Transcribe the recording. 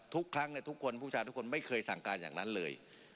ทุกครั้งทุกคนผู้ชายทุกคนไม่เคยสั่งการอย่างนั้นเลย